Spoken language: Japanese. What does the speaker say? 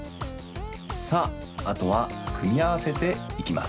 さああとはくみあわせていきます。